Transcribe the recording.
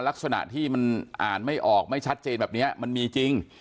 ลักษณะที่มันอ่านไม่ออกไม่ชัดเจนแบบนี้มันมีจริง